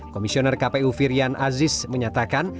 komisioner kpu firian aziz menyatakan